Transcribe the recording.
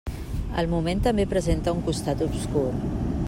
El moment també presenta un costat obscur.